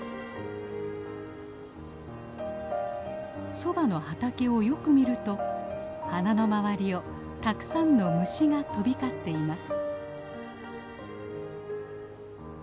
ソバの畑をよく見ると花の周りをたくさんの虫が飛び交っています。